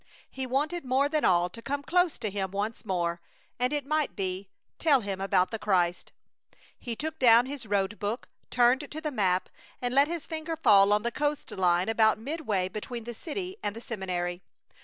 He wanted more than all to come close to him once more, and, it might be, tell him about the Christ. He took down his road book, turned to the map, and let his finger fall on the coast line about midway between the city and the seminary.